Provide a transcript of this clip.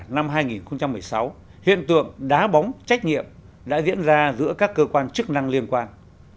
năm hai nghìn một mươi sáu hiện tượng đá bóng trách nhiệm đã diễn ra giữa các cơ quan chức năng liên quan